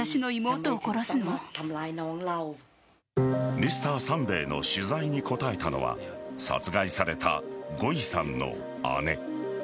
「Ｍｒ．サンデー」の取材に答えたのは殺害されたゴイさんの姉。